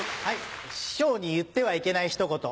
師匠に言ってはいけないひと言。